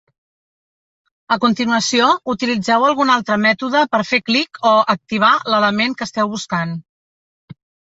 A continuació, utilitzeu algun altre mètode per fer clic o "activar" l'element que esteu buscant.